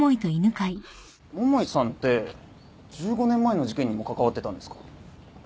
桃井さんって１５年前の事件にも関わってたんですか？